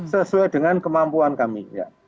sesuai dengan kemampuan kami